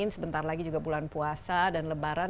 sebentar lagi juga bulan puasa dan lebaran